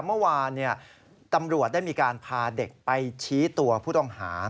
เมื่อวานตำรวจได้มีการพาเด็กไปชี้ตัวผู้ต้องหา